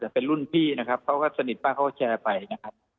แต่เป็นรุ่นพี่นะครับเขาก็สนิทมากเขาก็แชร์ไปนะครับ